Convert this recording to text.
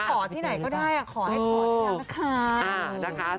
ขอที่ไหนก็ได้ขอให้ขอที่ไหนก็ได้